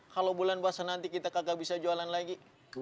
kalau bulan puasa nanti kita kagak bisa jualan lagi